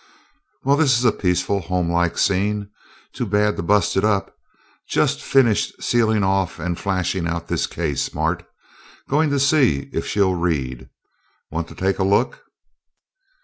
"Well, this is a peaceful, home like scene too bad to bust it up. Just finished sealing off and flashing out this case, Mart. Going to see if she'll read. Want to take a look?"